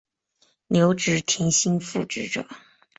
留职停薪复职者